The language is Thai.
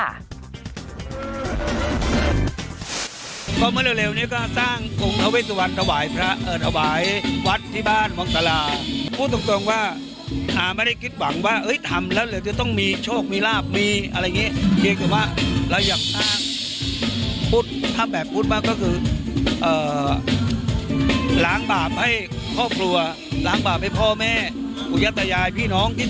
ให้หมดลุกหมดโสมอะไรอย่างนี้ด้วยความคิดเป็นแบบนี้